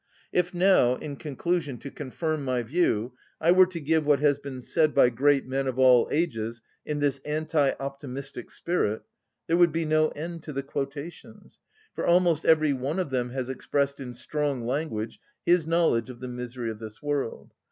If now, in conclusion, to confirm my view, I were to give what has been said by great men of all ages in this anti‐optimistic spirit, there would be no end to the quotations, for almost every one of them has expressed in strong language his knowledge of the misery of this world.